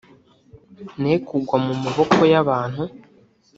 ne kugwa mu maboko y'abantu